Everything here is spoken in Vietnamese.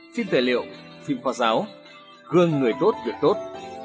phim tài liệu phim khoa giáo gương người tốt việc tốt